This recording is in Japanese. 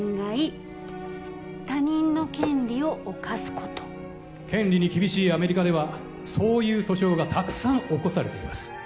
他人の権利を侵すこと権利に厳しいアメリカではそういう訴訟がたくさん起こされています